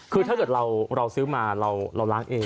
คือถ้าเกิดเราซื้อมาเราล้างเอง